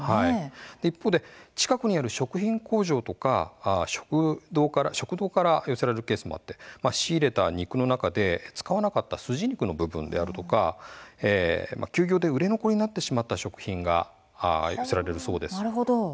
一方で近くにある食品工場や食堂から寄せられるケースもあって仕入れた肉の中で使わなかったすじ肉の部分であるとか休業で売れ残りになってしまった食品が、寄せられるそうです。